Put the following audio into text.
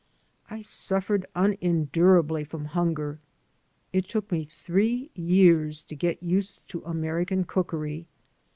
I suffered unendurably from hunger. It took me three years to get used to American cookery.